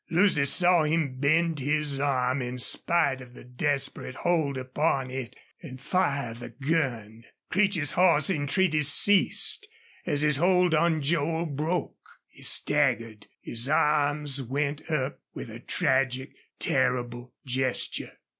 Lucy saw him bend his arm in spite of the desperate hold upon it and fire the gun. Creech's hoarse entreaties ceased as his hold on Joel broke. He staggered. His arms went up with a tragic, terrible gesture.